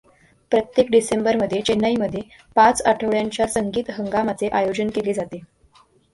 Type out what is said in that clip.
प्रत्येक डिसेंबरमध्ये चेन्नईमध्ये पाच आठवड्यांच्या संगीत हंगामाचे आयोजन केले जाते.